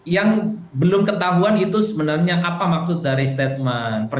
yang belum ketahuan itu sebenarnya apa maksud dari statement pernyataan effendi simbolon